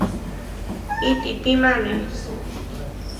Itihpímane.